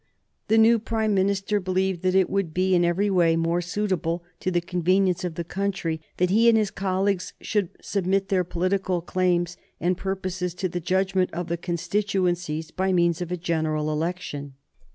The new Prime Minister believed that it would be in every way more suitable to the convenience of the country that he and his colleagues should submit their political claims and purposes to the judgment of the constituencies by means of a general election.